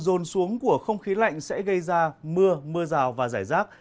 dồn xuống của không khí lạnh sẽ gây ra mưa mưa rào và rải rác